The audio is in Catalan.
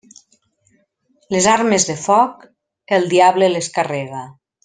Les armes de foc, el diable les carrega.